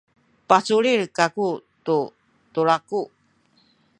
paculil kaku tu tulaku.